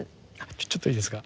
ちょっといいですか。